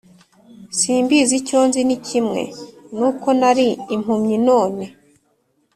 Simbizi icyo nzi ni kimwe ni uko nari impumyi none